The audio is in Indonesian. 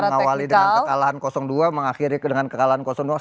mengawali dengan kekalahan dua mengakhiri dengan kekalahan dua sama semuanya